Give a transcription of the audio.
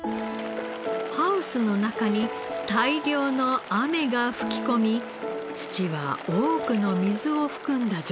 ハウスの中に大量の雨が吹き込み土は多くの水を含んだ状態に。